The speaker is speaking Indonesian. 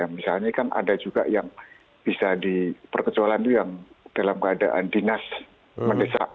misalnya kan ada juga yang bisa diperkecualian itu yang dalam keadaan dinas mendesak